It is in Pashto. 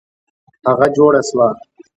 هغه جوړه سوه.